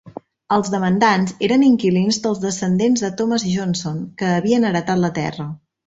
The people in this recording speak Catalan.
Els demandants eren inquilins dels descendents de Thomas Johnson, que havien heretat la terra.